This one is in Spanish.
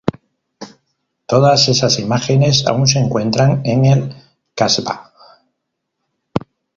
Todas esas imágenes aún se encuentran en el Casbah.